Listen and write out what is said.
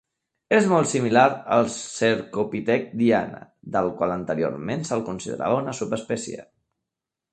És molt similar al cercopitec diana, del qual anteriorment se'l considerava una subespècie.